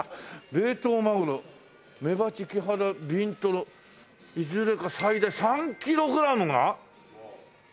「冷凍マグロ」「メバチキハダビントロいずれか最大３キログラムが自宅に届く！」